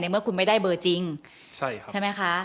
เมื่อคุณไม่ได้เบอร์จริงใช่ไหมคะ